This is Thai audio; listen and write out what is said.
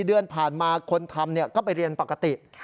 เดือนผ่านมาคนทำก็ไปเรียนปกติ